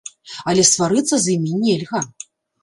Але сварыцца з імі нельга.